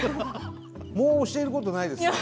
もう教えることないですね。